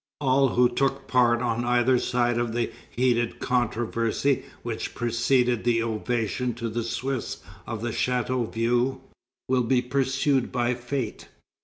All who took part on either side of the heated controversy which preceded the ovation to the Swiss of Chateauvieux, will be pursued by fate.